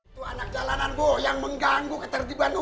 itu anak jalanan bu yang mengganggu ketertiban umum